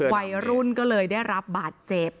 วัยรุ่นก็เลยได้รับบาดเจ็บ